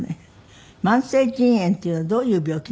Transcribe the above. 慢性腎炎っていうのはどういう病気なんですかね？